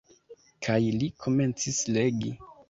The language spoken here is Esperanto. Kaj li komencis legi.